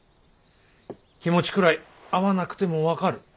気持ちくらい会わなくても分かる。